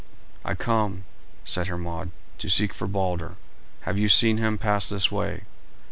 "I come," said Hermod, "to seek for Balder. Have you seen him pass this way?"